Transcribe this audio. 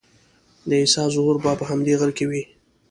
د عیسی ظهور به په همدې غره کې وي.